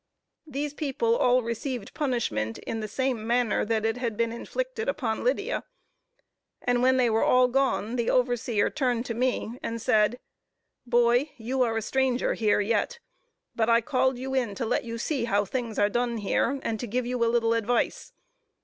These people all received punishment in the same manner that it had been inflicted upon Lydia, and when they were all gone the overseer turned to me and said "Boy, you are a stranger here yet, but I called you in to let you see how things are done here, and to give you a little advice.